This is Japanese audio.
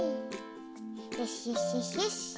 よしよしよしよし。